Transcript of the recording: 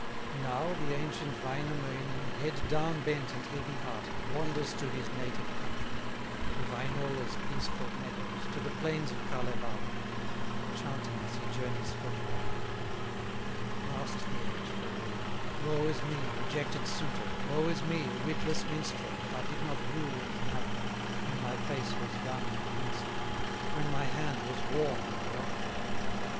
Now the ancient Wainamoinen, Head down bent and heavy hearted, Wanders to his native country, To Wainola's peaceful meadows, To the plains of Kalevala, Chanting as he journeys homeward: "I have passed the age for wooing, Woe is me, rejected suitor, Woe is me, a witless minstrel, That I did not woo and marry, When my face was young and winsome, When my hand was warm and welcome!